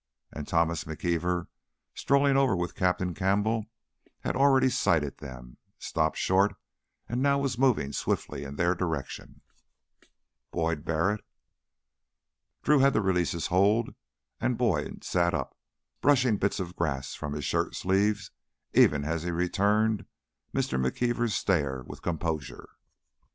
And Thomas McKeever, strolling with Captain Campbell, had already sighted them, stopped short, and now was moving swiftly in their direction. "Boyd Barrett!" Drew had to release his hold and Boyd sat up, brushing bits of grass from his shirt sleeves even as he returned Mr. McKeever's stare with composure.